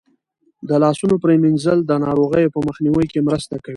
د لاسونو پریمنځل د ناروغیو په مخنیوي کې مرسته کوي.